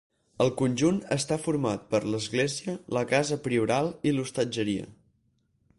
El conjunt està format per l'església, la casa prioral i l'hostatgeria.